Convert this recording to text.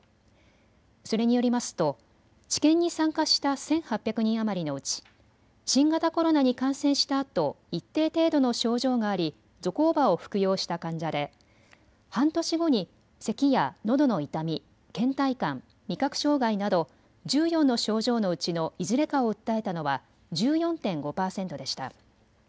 それによりますと治験に参加した１８００人余りのうち新型コロナに感染したあと一定程度の症状がありゾコーバを服用した患者で半年後にせきやのどの痛み、けん怠感、味覚障害など１４の症状のうちのいずれかを訴えたのは１４．５％でした。